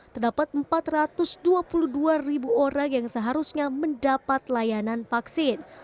terdapat empat ratus dua puluh dua ribu orang yang seharusnya mendapat layanan vaksin